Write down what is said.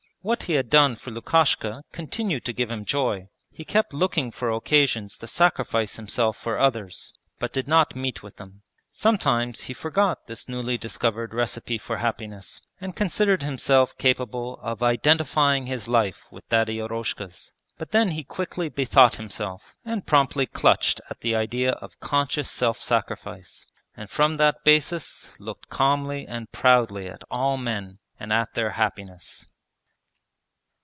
What he had done for Lukashka continued to give him joy. He kept looking for occasions to sacrifice himself for others, but did not meet with them. Sometimes he forgot this newly discovered recipe for happiness and considered himself capable of identifying his life with Daddy Eroshka's, but then he quickly bethought himself and promptly clutched at the idea of conscious self sacrifice, and from that basis looked calmly and proudly at all men and at their happiness.